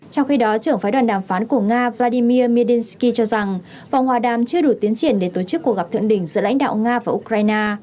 trong khi đó trưởng phái đoàn đàm phán của nga vladimir minsky cho rằng vòng hòa đàm chưa đủ tiến triển để tổ chức cuộc gặp thượng đỉnh giữa lãnh đạo nga và ukraine